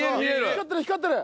光ってる光ってる！